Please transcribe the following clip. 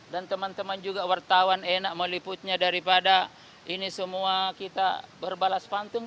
dan teman teman juga wartawan enak meliputnya daripada ini semua kita berbalas pantung